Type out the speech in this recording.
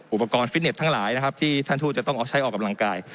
อุปกรณ์ฟิตเน็ตทั้งหลายนะครับที่ท่านทูตจะต้องออกใช้ออกกำลังกาย